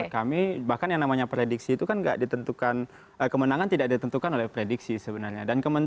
kami bahkan yang namanya prediksi itu kan tidak ditentukan kemenangan tidak ditentukan oleh prediksi sebenarnya